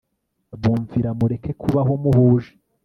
bumvira mureke kubaho muhuje